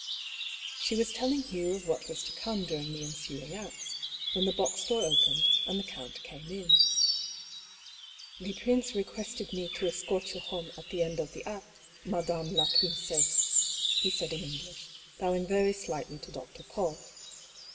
She was telling Hugh of what was to come during the ensuing acts, when the box door opened, and the count came in. 180 DR. PAULL'S THEORY. " The prince requested me to escort you home at the end of the act, madame la princesse," he said in English, bowing very slightly to Dr. PauU.